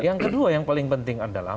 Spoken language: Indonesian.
yang kedua yang paling penting adalah